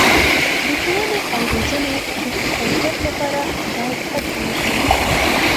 د ښوونې او روزنې د ښه کیفیت لپاره باید هڅې وشي.